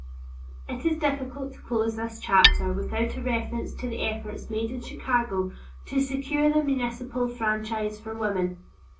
It is difficult to close this chapter without a reference to the efforts made in Chicago to secure the municipal franchise for women.